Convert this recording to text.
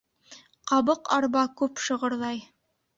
Ҡабыҡ арба күп шығырҙай